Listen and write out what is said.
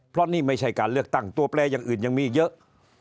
เพราะนี่ไม่ใช่การเลือกตั้งตัวแปลอย่างอื่นยังมีเยอะ